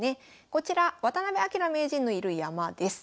こちら渡辺明名人のいる山です。